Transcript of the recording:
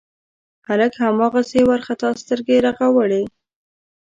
هلک هماغسې وارخطا سترګې رغړولې.